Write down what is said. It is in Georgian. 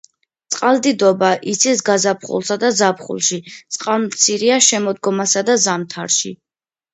წყალდიდობა იცის გაზაფხულსა და ზაფხულში, წყალმცირეა შემოდგომასა და ზამთარში.